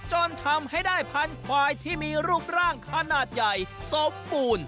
จนทำให้ได้พันธุ์ควายที่มีรูปร่างขนาดใหญ่สมบูรณ์